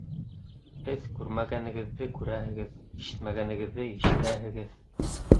Һеҙ күрмәгәнегеҙҙе күрәһегеҙ, ишетмәгәнегеҙҙе ишетәһегеҙ.